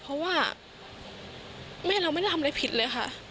เพราะว่าแม่เราไม่ได้ทำอะไรผิดเลยค่ะ